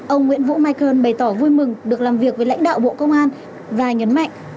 ông nguyễn vũ mai cơn bày tỏ vui mừng được làm việc với lãnh đạo bộ công an và nhấn mạnh